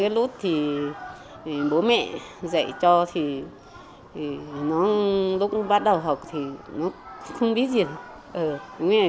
lúc bố mẹ dạy cho lúc bắt đầu học thì không biết gì